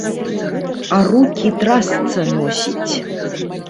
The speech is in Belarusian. А рукі трасца носіць.